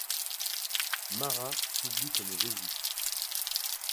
Marat s’oublie comme Jésus.